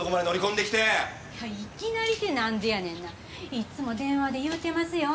いつも電話で言うてますよ